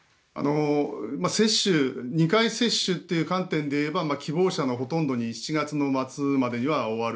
２回接種という観点で言えば希望者のほとんどに７月の末までには終わる。